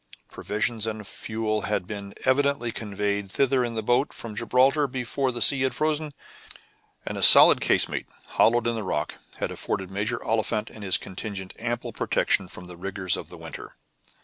Provisions and fuel had evidently been conveyed thither in the boat from Gibraltar before the sea had frozen, and a solid casemate, hollowed in the rock, had afforded Major Oliphant and his contingent ample protection from the rigor of the winter.